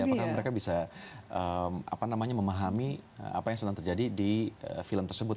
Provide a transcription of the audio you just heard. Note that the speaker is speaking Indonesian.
apakah mereka bisa memahami apa yang sedang terjadi di film tersebut